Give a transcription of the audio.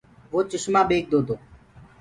وو چشمآ ٻيڪدو تو۔